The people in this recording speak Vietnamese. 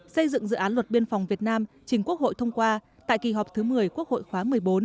xây dựng dự án luật biên phòng việt nam trình quốc hội thông qua tại kỳ họp thứ một mươi quốc hội khóa một mươi bốn